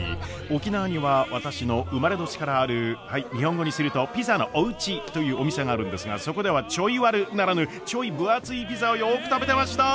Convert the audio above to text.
沖縄には私の生まれ年からあるはい日本語にすると「ピザのおうち」というお店があるんですがそこでは「ちょいワル」ならぬちょい分厚いピザをよく食べてました！